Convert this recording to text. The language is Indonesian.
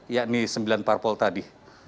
ya ini sembilan parpol tadi